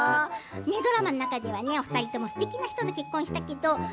ドラマの中では２人ともすてきな人と結婚したよね。